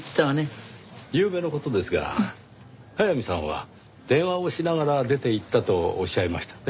ゆうべの事ですが速水さんは電話をしながら出ていったとおっしゃいましたね。